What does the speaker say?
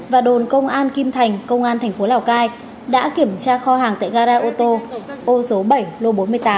và đồn công an kim thành công an thành phố lào cai đã kiểm tra kho hàng tại gara ô tô ô số bảy lô bốn mươi tám